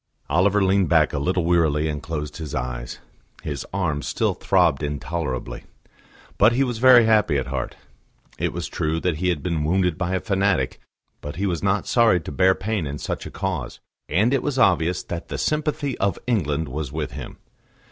Oliver leaned back a little wearily and closed his eyes; his arm still throbbed intolerably. But he was very happy at heart. It was true that he had been wounded by a fanatic, but he was not sorry to bear pain in such a cause, and it was obvious that the sympathy of England was with him.